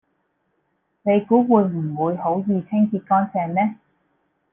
你估會唔會好易清潔乾淨呢